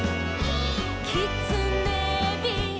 「きつねび」「」